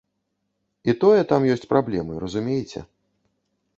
І тое, там ёсць праблемы, разумееце?